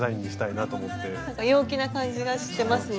なんか陽気な感じがしてますね。